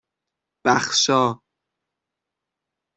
بَخشا